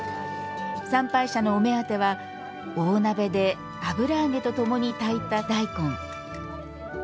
参拝者のお目当は大鍋で油揚げとともに炊いた大根。